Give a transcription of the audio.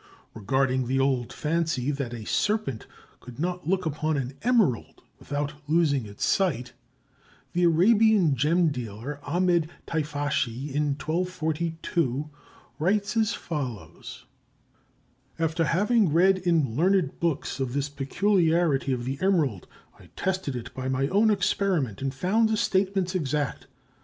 Regarding the old fancy that a serpent could not look upon an emerald without losing its sight, the Arabian gem dealer, Ahmed Teifashi, in 1242 writes as follows: After having read in learned books of this peculiarity of the emerald, I tested it by my own experiment and found the statements exact.